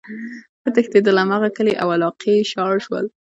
وتښتيدل!! هماغه کلي او علاقي ئی شاړ شول،